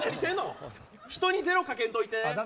人にゼロ、かけんといて。